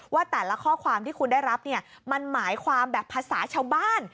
ว่าแต่ละข้อความที่คุณได้รับเนี่ยมันหมายความแบบภาษาชาวบ้าน